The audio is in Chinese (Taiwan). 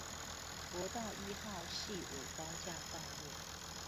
國道一號汐五高架道路